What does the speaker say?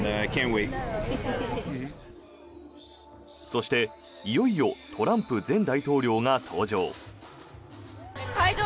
そして、いよいよトランプ前大統領が登場。